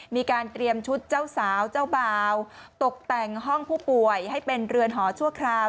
มีการเตรียมชุดเจ้าสาวเจ้าบ่าวตกแต่งห้องผู้ป่วยให้เป็นเรือนหอชั่วคราว